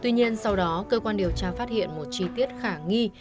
tuy nhiên sau đó cơ quan điều tra phát hiện một chi tiết khả nghi